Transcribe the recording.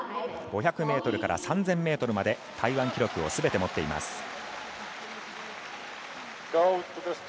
５００ｍから３０００ｍまで台湾記録をすべて持っています。